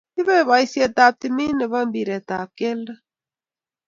ibei boisie ab timit ne bo mpiret ab kelto